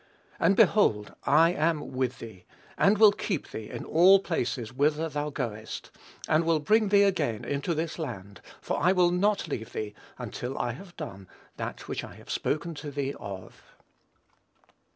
And, behold, I am with thee, and will keep thee in all places whither thou goest, and will bring thee again into this land; for I will not leave thee, until I have done that which I have spoken to thee of."